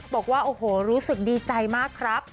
บอกว่าโอ้โหรู้สึกดีใจมากครับ